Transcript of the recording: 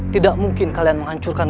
tidak mungkin kalian menghancurkan